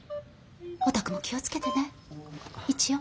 お宅も気を付けてね一応。